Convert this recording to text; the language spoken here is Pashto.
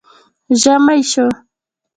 ژمی شو